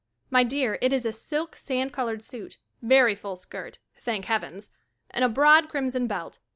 My dear, it is a silk sand colored suit, very full skirt, thank heavens, and a broad crimson belt.